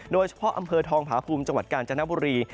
โดยเฉพาะอำเภอทองผาภูมิจังหวัดกาญจนบุรี